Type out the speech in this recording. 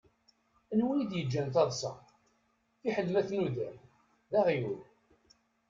Anwa i d-yeǧǧan taḍsa? Fiḥel ma tnudam: D aɣyul.